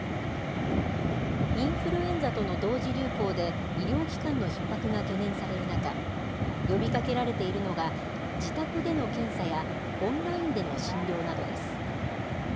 インフルエンザとの同時流行で、医療機関のひっ迫が懸念される中、呼びかけられているのが、自宅での検査や、オンラインでの診療などです。